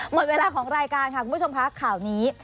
หมดเวลาของรายการค่ะคุณผู้ชมค่ะข่าวนี้